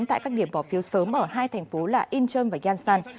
tại các điểm bỏ phiếu sớm ở hai thành phố là incheon và yangsan